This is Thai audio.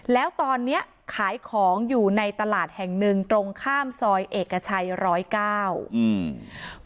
แล้วตอนเนี้ยขายของอยู่ในตลาดแห่งหนึ่งตรงข้ามซอยเอกชัยร้อยเก้าอืม